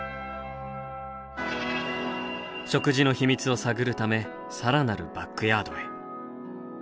食事の秘密を探るため更なるバックヤードへ。